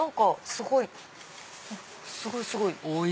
すごいすごい！